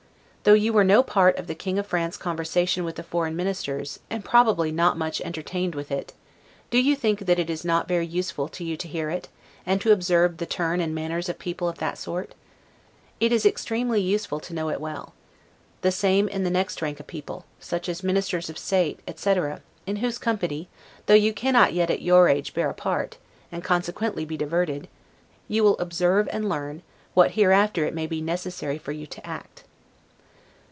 Though you were no part of the King of France's conversation with the foreign ministers, and probably not much entertained with it, do you think that it is not very useful to you to hear it, and to observe the turn and manners of people of that sort? It is extremely useful to know it well. The same in the next rank of people, such as ministers of state, etc., in whose company, though you cannot yet, at your age, bear a part, and consequently be diverted, you will observe and learn, what hereafter it may be necessary for you to act.